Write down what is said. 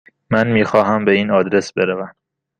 من میخواهم به این آدرس بروم.